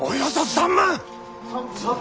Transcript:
３万。